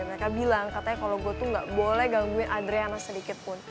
mereka bilang katanya kalau gue tuh gak boleh gangguin adriana sedikitpun